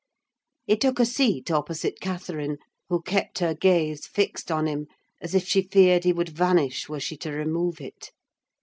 He took a seat opposite Catherine, who kept her gaze fixed on him as if she feared he would vanish were she to remove it.